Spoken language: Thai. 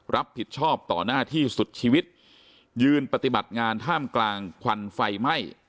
รับผิดชอบต่อหน้าที่สุดชีวิตยืนปฏิบัติงานท่ามกลางควันไฟไหม้